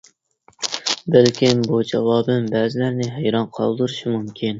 بەلكىم بۇ جاۋابىم بەزىلەرنى ھەيران قالدۇرۇشى مۇمكىن.